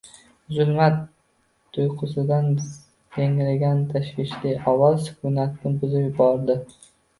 — Zulmat! — tuyqusdan yangragan tashvishli ovoz sukunatni buzib yubordi.